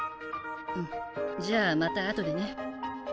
うんじゃあまたあとでね。